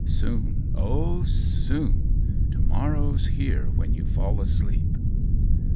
Soon oh, soon! To morrow's here when you fall asleep.